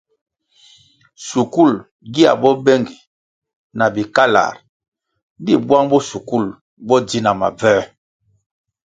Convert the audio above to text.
Shukul gia bo bengi na bikalar di bwang bo shukul bo dzi na mabvoē.